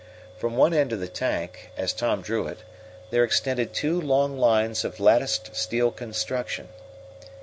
From one end of the tank, as Tom drew it, there extended two long arms of latticed steel construction.